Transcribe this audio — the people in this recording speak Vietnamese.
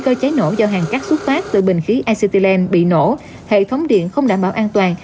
các vụ cháy nổ do hàng cắt xuất phát từ bình khí acetylene bị nổ hệ thống điện không đảm bảo an toàn